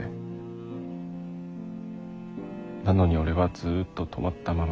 なのに俺はずっと止まったまま。